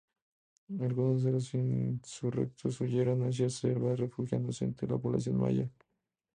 Algunos de los insurrectos huyeron hacia la selva, refugiándose entre la población maya.